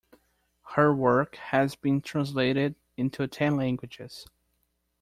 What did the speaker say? Her work has been translated into ten languages.